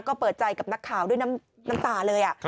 ก็เปิดใจกับนักข่าวด้วยน้ำตาเลย